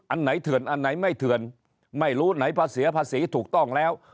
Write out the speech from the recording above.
อันไหนเถื่อนอันไหนไม่เถื่อนไม่รู้ไหนภาษีถูกต้องแล้ว